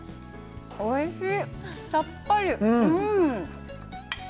おいしい。